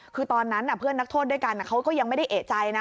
คือตอนนั้นเพื่อนนักโทษด้วยกันเขาก็ยังไม่ได้เอกใจนะ